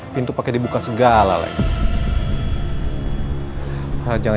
pintu pakai dibuka segala lagi